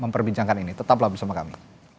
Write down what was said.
dan perbincangkan ini tetaplah bersama kami